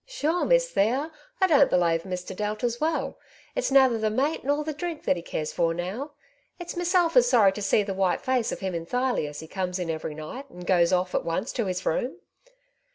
" Sure, Miss Thea, I don't belave Mr. Delta's well ; it's nather the mate nor the dhrink that he cares for now. It's meself is sorry to see the white face of him enthirely as he comes in every night, and goes off at once to his room.